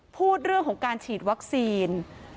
พูดเรื่องของการฉีดวัคซีน